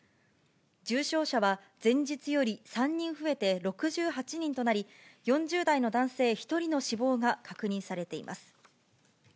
重症者は前日より３人増えて６８人となり、４０代の男性１人の死亡が確認されています。